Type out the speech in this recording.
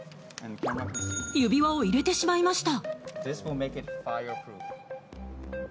指輪を入れてしまいました。